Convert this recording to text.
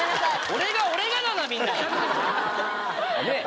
「俺が俺が」だなみんなねぇ？